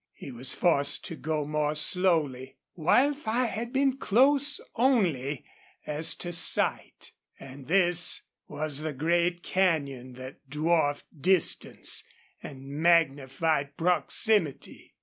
He was forced to go more slowly. Wildfire had been close only as to sight. And this was the great canyon that dwarfed distance and magnified proximity.